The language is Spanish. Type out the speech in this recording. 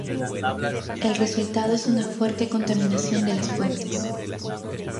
El resultado es una fuerte contaminación de las fuentes.